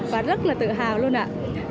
và rất là tự hào luôn ạ